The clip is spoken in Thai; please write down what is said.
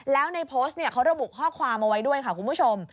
แล้วในโพสต์เขาระบุข้อความเอาไว้ด้วยค่ะคุณผู้ชม